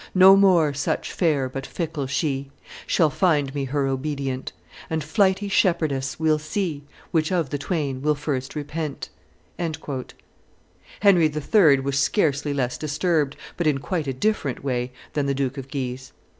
No more such fair but fickle she Shall find me her obedient; And, flighty shepherdess, we'll see Which of the twain will first repent." Henry III. was scarcely less disturbed, but in quite a different way, than the Duke of Guise.